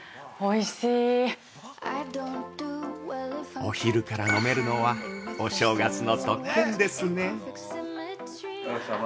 ◆お昼から飲めるのはお正月の特権ですね。